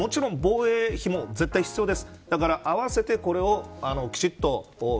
もちろん防衛費も絶対必要です。